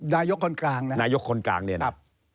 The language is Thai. นายกคนกลางนะนายกคนกลางเนี่ยนะครับ